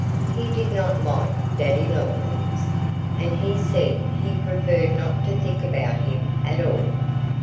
He did not like Daddy Longlegs. And he said he preferred not to think about him at all.